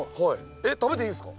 えっ食べていいんですか？